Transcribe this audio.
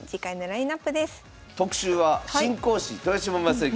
特集は「新講師・豊島将之」